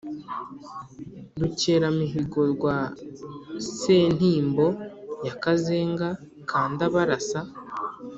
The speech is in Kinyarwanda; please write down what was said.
rukeramihigo rwa sentimbo ya kazenga ka ndabarasa,